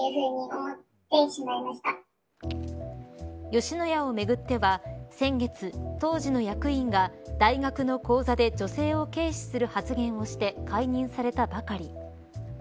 吉野家をめぐっては先月、当時の役員が大学の講座で女性を軽視する発言をして解任されたばかり。